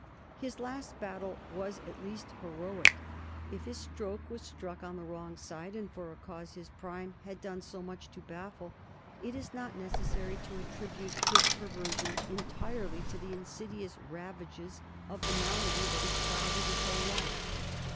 His last battle was at least heroic. If his stroke was struck on the wrong side and for a cause his prime had done so much to baffle, it is not necessary to attribute his perversion entirely to the insidious ravages of the malady that had clouded his whole life.